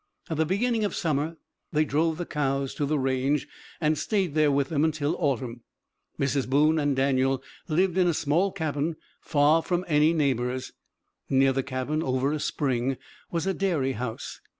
At the beginning of summer they drove the cows to the range, and stayed there with them until autumn. Mrs. Boone and Daniel lived in a small cabin, far from any neighbors. Near the cabin, over a spring, was a dairy house.